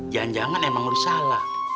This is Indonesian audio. jangan jangan emang harus salah